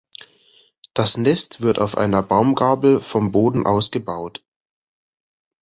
Das Nest wird auf einer Baumgabel vom Boden aus gebaut.